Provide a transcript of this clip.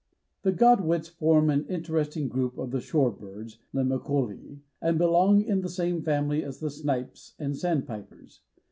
The Godwits form an interesting group of the shore birds (Limicolae) and belong in the same family as the snipes and sandpipers.